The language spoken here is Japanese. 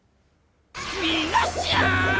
みなしゃん！